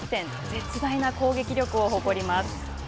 絶大な攻撃力を誇ります。